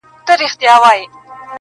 پسرلی وایې جهاني دي پرې باران سي,